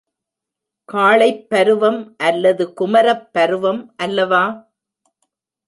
காளைப் பருவம் அல்லது குமரப் பருவம் அல்லவா?